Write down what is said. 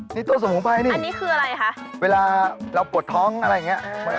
นี่ตัวสมุนไพรนี่อันนี้คืออะไรคะเวลาเราปวดท้องอะไรอย่างเงี้ย